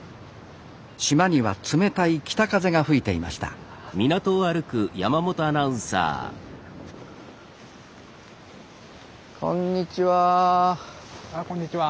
島には冷たい北風が吹いていましたこんにちは。